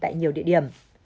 tại nhiều địa điểm